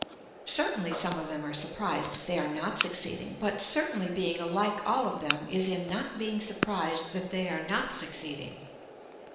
Certainly some of them are surprised if they are not succeeding but certainly being alike all of them is in not being surprised that they are not succeeding.